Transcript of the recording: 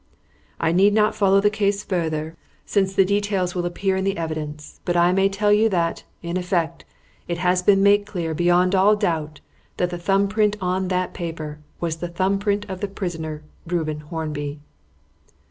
I need not follow the case further, since the details will appear in the evidence, but I may tell you that, in effect, it has been made clear, beyond all doubt, that the thumb print on that paper was the thumb print of the prisoner, Reuben Hornby."